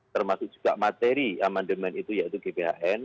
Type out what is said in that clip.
termasuk juga materi amandemen itu yaitu gbhn